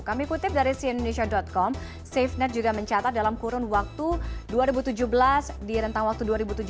kami kutip dari cnn indonesia com safenet juga mencatat dalam kurun waktu dua ribu tujuh belas di rentang waktu dua ribu tujuh belas